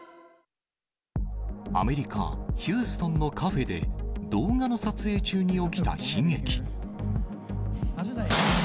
アメリカ・ヒューストンのカフェで、動画の撮影中に起きた悲劇。